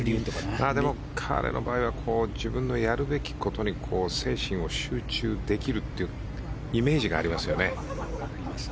でも彼の場合は自分のやるべきことに精神を集中できるというイメージがありますよね。